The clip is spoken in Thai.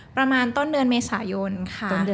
ประมาณต้นเดือนเมษายนค่ะ